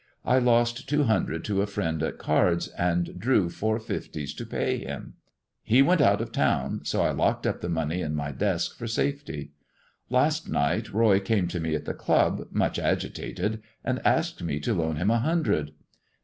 I lost two hundred to a friend at cards, and drew four fifties to pay him. He went out of town, so I locked up the money in my desk for safety. Last night Roy came to me at the club, much agitated, and asked me to loan him a hundred.